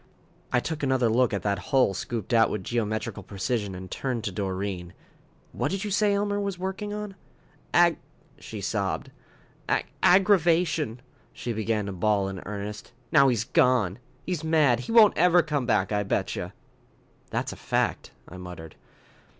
I took another look at that hole scooped out with geometrical precision, and turned to Doreen. "What did you say Elmer was working on?" "Agg " she sobbed, "agg agg aggravation." She began to bawl in earnest. "Now he's gone. He's mad. He won't ever come back, I betcha." "That's a fact," I muttered.